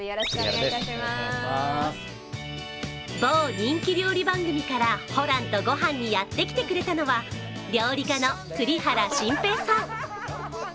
某人気料理番組から「ホランとごはん」にやってきたくれたのは料理家の栗原心平さん。